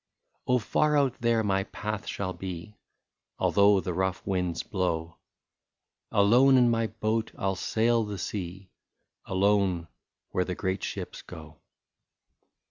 " Oh ! far out there my path shall be, Although the rough winds blow ; Alone, in my boat I '11 sail the sea. Alone, where the great ships go.